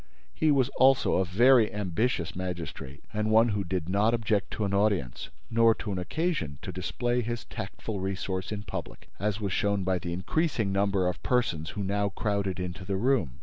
He was also a very ambitious magistrate and one who did not object to an audience nor to an occasion to display his tactful resource in public, as was shown by the increasing number of persons who now crowded into the room.